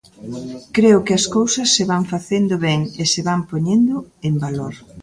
Creo que as cousas se van facendo ben e se van poñendo en valor.